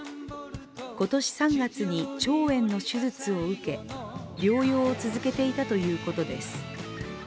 今年３月に腸炎の手術を受け療養を続けていたということです。